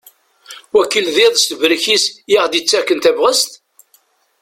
Wakil d iḍ s tebrek-is i aɣ-d-yettakken tabɣest?